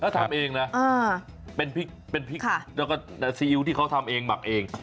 แล้วทำเองนะเป็นพริกแล้วก็แต่ซีอิ๊วที่เขาทำเองหมักเอง